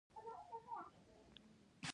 د کندهار انار